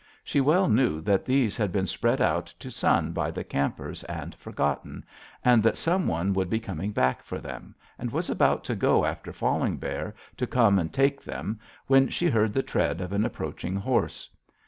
She well knew that these had been spread out to sun by the campers and forgotten, and that some one would be coming back for them, and was about to go after Falling Bear to come and take them when she heard the tread of an approaching horse.